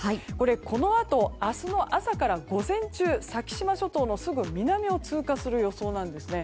このあと明日の朝から午前中先島諸島のすぐ南を通過する予想なんですね。